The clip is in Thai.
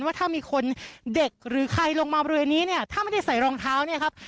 ว่าถ้ามีคนเด็กหรือใครลงมาบริเวณนี้เนี่ยถ้าไม่ได้ใส่รองเท้าเนี่ยครับ